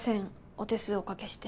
お手数おかけして。